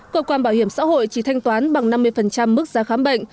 cơ quan bảo hiểm xã hội chỉ thanh toán bằng năm mươi mức giá khám bệnh